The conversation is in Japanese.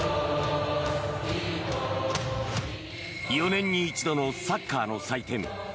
４年に一度のサッカーの祭典ＦＩＦＡ